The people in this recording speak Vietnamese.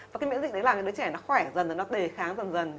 và cái miễn dịch đấy làm cho đứa trẻ nó khỏe dần dần nó đề kháng dần dần